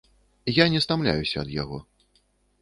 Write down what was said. Я не стамляюся ад яго.